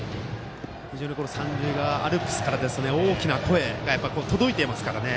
非常に三塁側アルプスから大きな声が届いていますからね